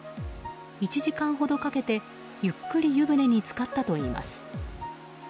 １時間ほどかけて、ゆっくり湯船につかったといいます。